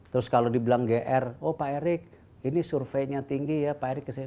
terus kalau dibilang gr oh pak erik ini surveinya tinggi ya pak erick kesini